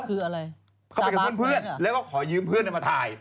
คืออะไรเข้าไปกับเพื่อนแล้วก็ขอยืมเพื่อนมาถ่าย